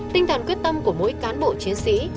tinh thần quyết tâm của mỗi cán bộ chiến sĩ